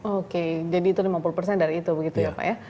oke jadi itu lima puluh persen dari itu begitu ya pak ya